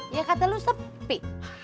ya kata lu sepi